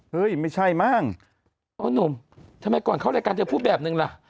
เฮ้ยไม่ใช่หรอกนุ่มทำไมก่อนเขาสร้างการจะพูดแบบหนึ่งล่ะ